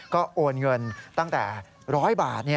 ก็โอนเงินตั้งแต่๑๐๐บาท